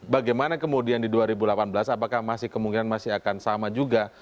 bagaimana kemudian di dua ribu delapan belas apakah masih kemungkinan masih akan sama juga